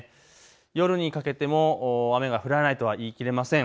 夜にかけても雨が降らないとは言い切れません。